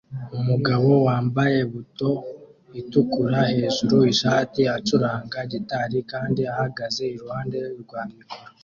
Umugabo wambaye buto itukura hejuru ishati acuranga gitari kandi ahagaze iruhande rwa mikoro